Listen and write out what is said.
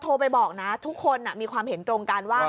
โทรไปบอกนะทุกคนมีความเห็นตรงกันว่า